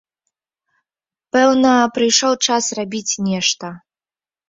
Пэўна, прыйшоў час рабіць нешта.